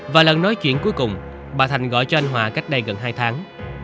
và lần nói chuyện cuối cùng bà thành gọi cho anh hòa cách đây gần hai tháng